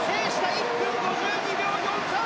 １分５２秒４３。